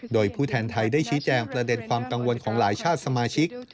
โดยผู้แทนไทยได้ชี้แจงประเด็นความกังวลของหลายชาติสมาชิก